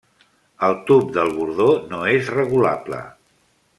El tub del bordó no és regulable.